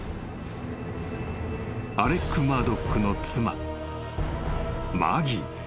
［アレック・マードックの妻マギー］